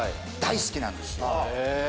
大好きなんですよ。